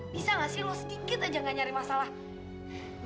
bisa gak sih lo sedikit aja gak nyari masalah